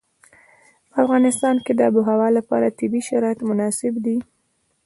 په افغانستان کې د آب وهوا لپاره طبیعي شرایط مناسب دي.